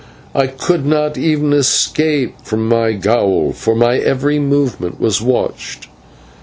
I could not even escape from my gaol, for my every movement was watched.